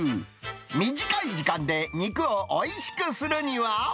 短い時間で肉をおいしくするには。